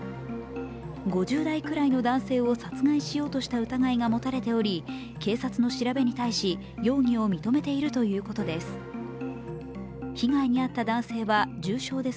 ５０代ぐらいの男性を殺害しようとした疑いが持たれており警察の調べに対し、容疑を認めているということです。